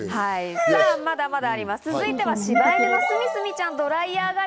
まだまだあります、続いては、柴犬のすみすみちゃんです。